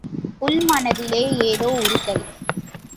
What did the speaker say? உள்மனத்திலே ஏதோ உறுத்தல்!